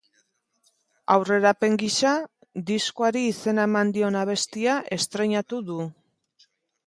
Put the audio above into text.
Aurrerapen gisa, diskoari izena eman dion abestia estreinatu du.